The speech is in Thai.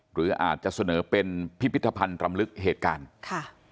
หรืออาจจะเสนอเป็นพิพิธภัณฑ์รำลึกเหตุการณ์ค่ะ